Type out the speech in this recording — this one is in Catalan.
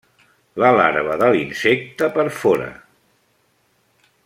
La larva de l'insecte perfora.